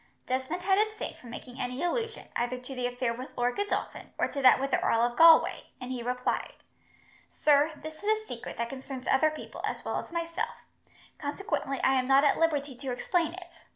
Desmond had abstained from making any allusion, either to the affair with Lord Godolphin, or to that with the Earl of Galway, and he replied: "Sir, this is a secret that concerns other people, as well as myself, consequently I am not at liberty to explain it.